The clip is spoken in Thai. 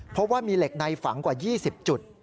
เพราะว่ามีเหล็กในฝังกว่า๒๐จุด